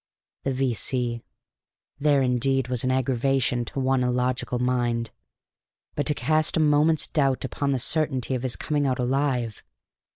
The V.C.! There, indeed, was an aggravation to one illogical mind. But to cast a moment's doubt upon the certainty of his coming out alive!